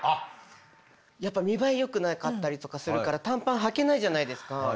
やっぱ見栄えよくなかったりとかするから短パンはけないじゃないですか。